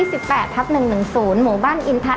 วันนี้ขอบคุณพี่ภูมิมากนะคะ